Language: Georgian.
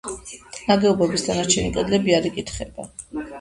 ნაგებობის დანარჩენი კედლები არ იკითხება.